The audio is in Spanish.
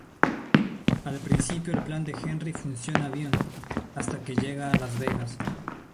Al principio el plan de Henry funciona bien, hasta que llega a Las Vegas.